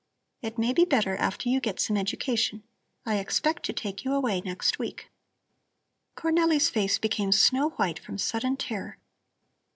It may be better after you get some education. I expect to take you away next week." Cornelli's face became snow white from sudden terror.